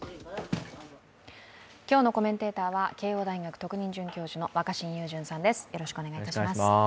今日のコメンテーターは慶応大学特任教授の若新雄純さんです。